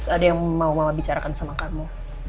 ada yang mau mama bicarakan sama kamu